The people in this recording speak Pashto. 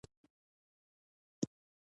جانداد هر کار ته خوږ رنګ ورکوي.